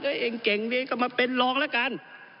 เฮ้ยเองเก่งนี้ก็มาเป็นรองละกัน